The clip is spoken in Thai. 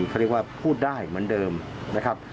เขาเรียกว่าพูดได้เหมือนเดิมนะครับ